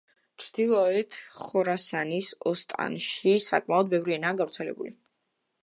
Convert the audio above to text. ჩრდილოეთი ხორასანის ოსტანში საკმაოდ ბევრი ენაა გავრცელებული.